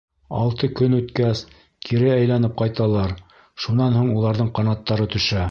Алты көн үткәс, кире әйләнеп ҡайталар, шунан һуң уларҙың ҡанаттары төшә.